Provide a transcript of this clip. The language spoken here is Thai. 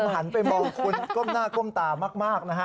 หันไปมองคุณก้มหน้าก้มตามากนะฮะ